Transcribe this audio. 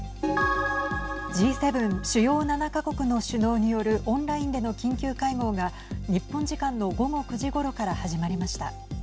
Ｇ７＝主要７か国の首脳によるオンラインでの緊急会合が日本時間の午後９時ごろから始まりました。